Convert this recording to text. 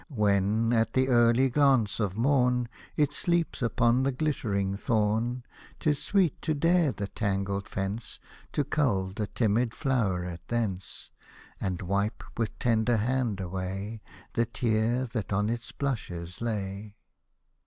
When, at the early glance of morn, It sleeps upon the ghttering thorn, 'Tis sweet to dare the tangled fence. To cull the timid floweret thence. And wipe with tender hand away The tear that on its blushes lay